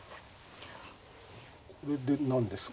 これで何ですか。